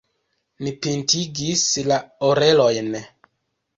Ni pintigis la orelojn.